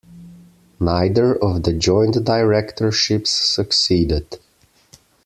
Neither of the joint directorships succeeded.